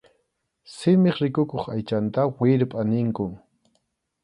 Simip rikukuq aychanta wirpʼa ninkum.